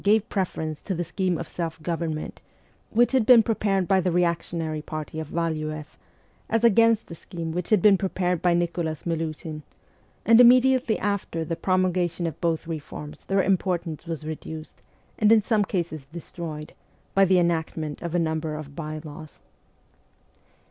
gave preference to the scheme of self government VOL. i. p 210 MEMOIRS OF A REVOLUTIONIST which had been prepared by the reactionary party of Valiieff, as against the scheme which had been pre pared by Nicholas Milutin ; and immediately after the promulgation of both reforms their importance was reduced, and in some cases destroyed, by the enactment of a number of by laws.